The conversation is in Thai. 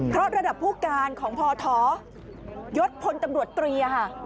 เพราะระดับผู้การของพทยศพลตำรวจตรีค่ะ